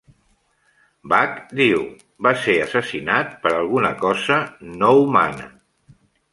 Buck, diu, va ser assassinat per alguna cosa no humana.